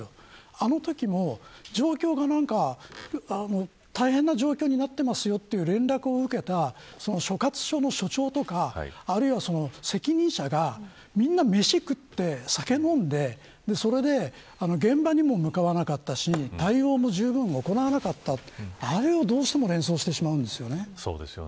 あのときも状況が大変な状況になってますよという連絡を受けた所轄署の署長とかあるいは、責任者がみんな飯食って、酒飲んでそれで現場にも向かわなかったし対応もじゅうぶんに行わなかったあれをどうしても連想してしまうんですよね。